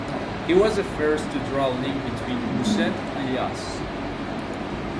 He was the first to draw a link between Musette and Jazz.